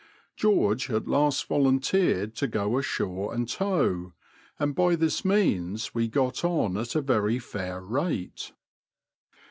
George at last volunteered to go ashore and tow, and by this means we got on at a very fair rate.